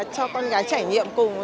cho con gái trải nghiệm cùng